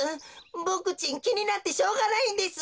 ボクちんきになってしょうがないんです。